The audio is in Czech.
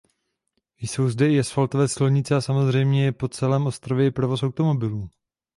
Jsou zde i asfaltové silnice a samozřejmě je po celém ostrově i provoz automobilů.